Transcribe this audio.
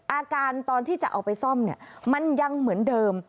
อาการตอนที่จะเอาไปซ่อมเนี่ยมันยังเหมือนเดิม